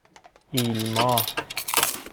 ایلماه